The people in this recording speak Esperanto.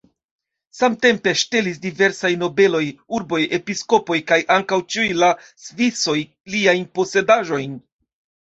Samtempe ŝtelis diversaj nobeloj, urboj, episkopoj kaj antaŭ ĉiuj la Svisoj liajn posedaĵojn.